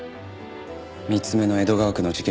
３つ目の江戸川区の事件